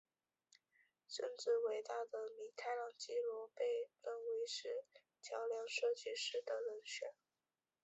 甚至伟大的米开朗基罗被认为是桥梁设计师的人选。